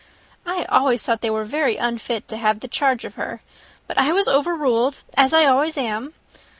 I always thought they were very unfit to have the charge of her; but I was over ruled, as I always am.